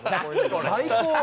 最高！